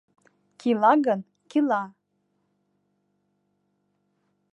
Кила гын, кила!»